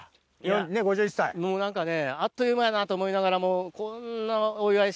もう何かねあっという間やなと思いながらも。